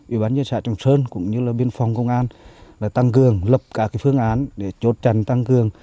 ủy ban nhân sản trọng sơn cũng như biên phòng công an tăng cường lập cả phương án để chốt trần tăng cường